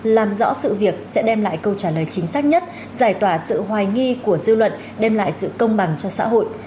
làm rõ sự việc sẽ đem lại câu trả lời chính xác nhất giải tỏa sự hoài nghi của dư luận đem lại sự công bằng cho xã hội